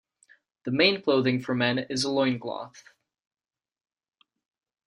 The main clothing for men is a loin cloth.